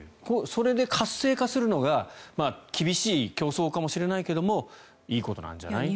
それで活性化するのが厳しい競争かもしれないけどいいことなんじゃないと。